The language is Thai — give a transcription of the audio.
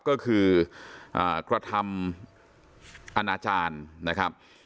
ก็คือกระทำอาณาจารย์นะครับ